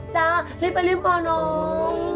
จ้ารีบไปรีบก่อนหนู